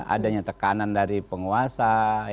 adanya tekanan dari penguasa